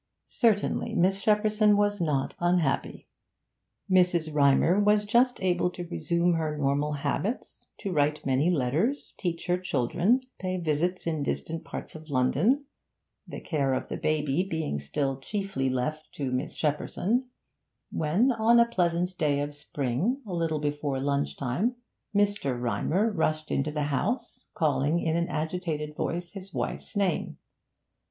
Certainly Miss Shepperson was not unhappy. Mrs. Rymer was just able to resume her normal habits, to write many letters, teach her children, pay visits in distant parts of London the care of the baby being still chiefly left to Miss Shepperson when, on a pleasant day of spring, a little before lunch time, Mr. Rymer rushed into the house, calling in an agitated voice his wife's name.